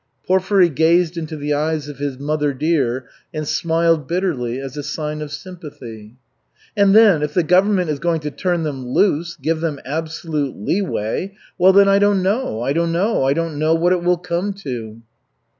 Porfiry gazed into the eyes of his "mother dear" and smiled bitterly as a sign of sympathy. "And then, if the government is going to turn them loose, give them absolute leeway well, then, I don't know, I don't know, I don't know what it will come to."